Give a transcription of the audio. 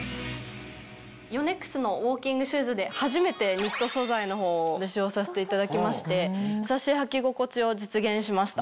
ヨネックスのウォーキングシューズで初めてニット素材のほうを使用させていただきまして優しい履き心地を実現しました。